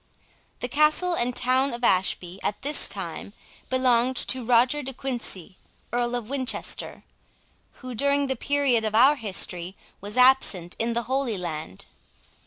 The castle and town of Ashby, at this time, belonged to Roger de Quincy, Earl of Winchester, who, during the period of our history, was absent in the Holy Land.